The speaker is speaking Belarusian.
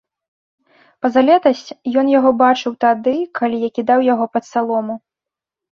Пазалетась ён яго бачыў, тады, калі я кідаў яго пад салому.